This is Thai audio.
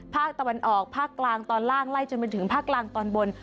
ภาคตะวันออกภาคกลางตอนล่างไล่จนไปถึงภาคกลางตอนบน